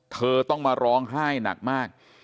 เธอต้องมาร้องไห้หนักมาก